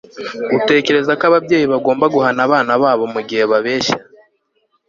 utekereza ko ababyeyi bagomba guhana abana babo mugihe babeshya